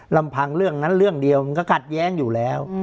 ลำพังเรื่องนั้นเรื่องเดียวมันก็กัดแย้งอยู่แล้ว